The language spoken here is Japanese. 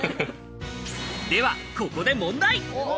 ではここで問題。